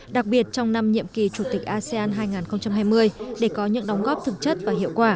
đặc biệt trong năm nhiệm kỳ chủ tịch asean hai nghìn hai mươi để có những đóng góp thực chất và hiệu quả